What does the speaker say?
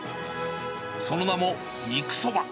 その名も、肉そば。